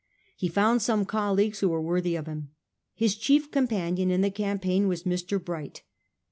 He found some colleagues who were worthy of him. His chief companion in the campaign was Mr. Bright.